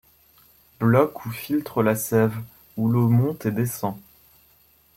Blocs où filtre la sève, où l'eau monte et descend